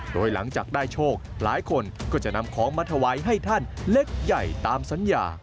โดยหลังจากได้โชคหลายคนก็จะนำของมาถวายให้ท่านเล็กใหญ่ตามสัญญา